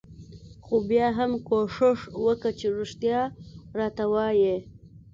خو بيا هم کوښښ وکه چې رښتيا راته وايې.